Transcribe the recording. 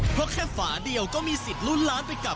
เพราะแค่ฝาเดียวก็มีสิทธิ์ลุ้นล้านไปกับ